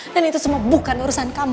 dan itu semua bukan urusan kamu